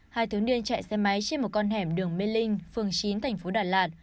hai thiếu niên chạy xe máy trên một con hẻm đường mê linh phường chín thành phố đà lạt